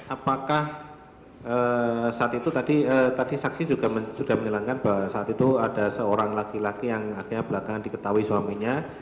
apakah saat itu tadi saksi juga sudah menyenangkan bahwa saat itu ada seorang laki laki yang akhirnya belakangan diketahui suaminya